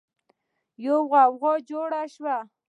يوه غوغا جوړه شوه.